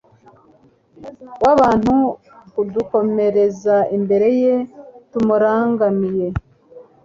w'abantu kudukomereza imbere ye tumurangamiye